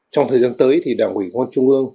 trong thời gian tới đảng quỹ công an trung ương